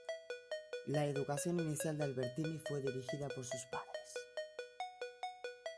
La educación inicial de Albertini fue dirigida por sus padres.